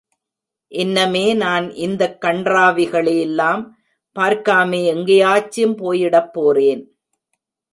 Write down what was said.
இன்னமே நான் இந்தக் கண்றாவிகளெ எல்லாம் பார்க்காமே எங்கேயாச்சும் போயிடப் போறேன்.